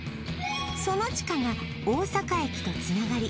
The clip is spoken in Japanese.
その地下が大阪駅とつながり